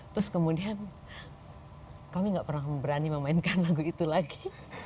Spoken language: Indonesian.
terus kemudian kami gak pernah berani memainkan lagu itu lagi